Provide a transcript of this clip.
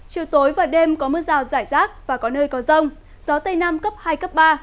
chiều tối và đêm có mưa rào rải rác và có nơi có rông gió tây nam cấp hai cấp ba